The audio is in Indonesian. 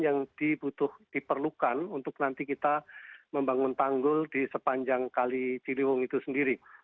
yang diperlukan untuk nanti kita membangun tanggul di sepanjang kali ciliwung itu sendiri